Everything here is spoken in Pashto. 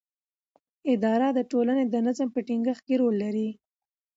اداره د ټولنې د نظم په ټینګښت کې رول لري.